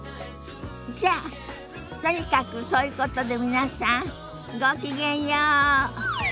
じゃあとにかくそういうことで皆さんごきげんよう。